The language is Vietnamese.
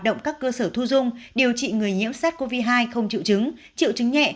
động các cơ sở thu dung điều trị người nhiễm sars cov hai không triệu chứng triệu chứng nhẹ